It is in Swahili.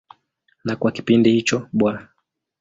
Na kwa kipindi hicho Bw.